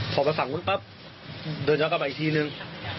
พอก็สั่งวุ่นป๊ับเดินจากบ้างอีกทีหนึ่ง